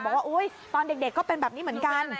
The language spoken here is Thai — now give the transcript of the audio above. บอกว่าอุ๊ยตอนเด็กก็เป็นแบบนี้เหมือนกัน